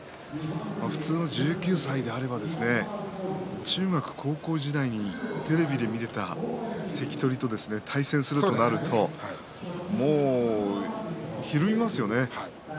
普通の１９歳であれば中学、高校時代にテレビで見ていた関取と対戦するとなるともうひるみますよね。